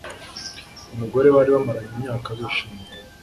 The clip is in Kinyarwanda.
umugore bari bamaranye imyaka bishimye